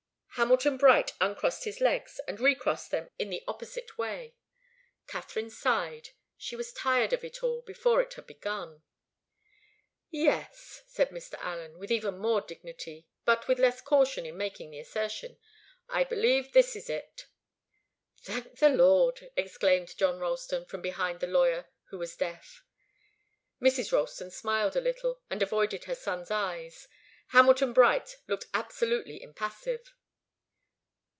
Hamilton Bright uncrossed his legs, and recrossed them in the opposite way. Katharine sighed. She was tired of it all, before it had begun. "Yes," said Mr. Allen, with even more dignity, but with less caution in making the assertion, "I believe this is it." "Thank the Lord!" exclaimed John Ralston from behind the lawyer, who was deaf. Mrs. Ralston smiled a little, and avoided her son's eyes. Hamilton Bright looked absolutely impassive.